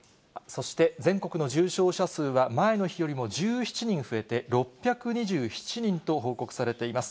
そして、全国の重症者数は、前の日よりも１７人増えて６２７人と報告されています。